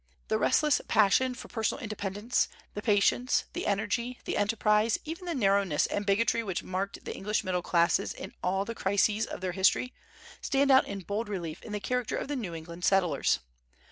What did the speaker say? The restless passion for personal independence, the patience, the energy, the enterprise, even the narrowness and bigotry which marked the English middle classes in all the crises of their history, stand out in bold relief in the character of the New England settlers.